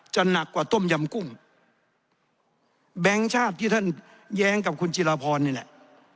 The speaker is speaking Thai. หนักกว่าต้มยำกุ้งแบงค์ชาติที่ท่านแย้งกับคุณจิราพรนี่แหละ